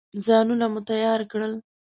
ځانونه مو تیار کړل.